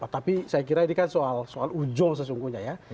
tapi saya kira ini kan soal ujol sesungguhnya ya